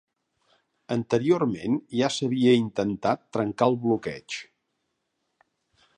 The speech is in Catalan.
Anteriorment ja s'havia intentat trencar el bloqueig.